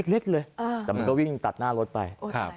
เล็กเลยแต่มันก็วิ่งตัดหน้ารถไป